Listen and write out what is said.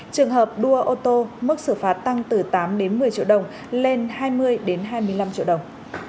trường hợp đua ô tô mức xử phạt tăng từ tám một mươi triệu đồng lên hai mươi hai mươi năm triệu đồng